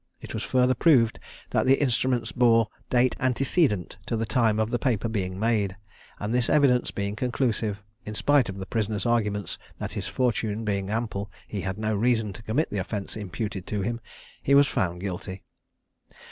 It was further proved that the instruments bore date antecedent to the time of the paper being made; and this evidence being conclusive, in spite of the prisoner's arguments that his fortune being ample he had no reason to commit the offence imputed to him, he was found guilty.